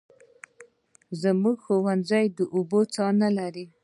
زموږ ښوونځی د اوبو څاه نلري